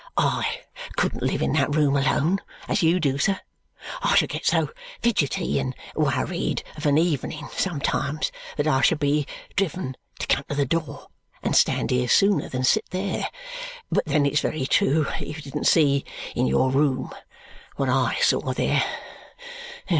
"I couldn't live in that room alone, as you do, sir. I should get so fidgety and worried of an evening, sometimes, that I should be driven to come to the door and stand here sooner than sit there. But then it's very true that you didn't see, in your room, what I saw there.